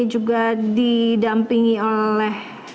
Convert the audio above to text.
juga didampingi oleh